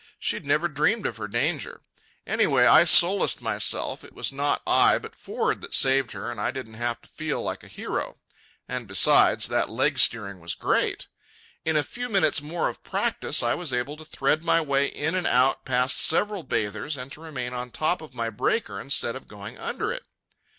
She had never dreamed of her danger. Anyway, I solaced myself, it was not I but Ford that saved her, and I didn't have to feel like a hero. And besides, that leg steering was great. In a few minutes more of practice I was able to thread my way in and out past several bathers and to remain on top my breaker instead of going under it.